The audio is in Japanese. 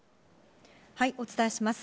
お伝えします。